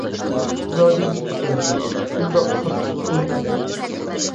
زادى نېمە كەم؟ شۇنداق قاتتىق ئويلاندۇق.